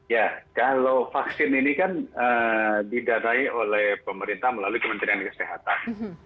ya kalau vaksin ini kan didarai oleh pemerintah melalui kementerian kesehatan